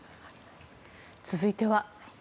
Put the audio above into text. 続いては。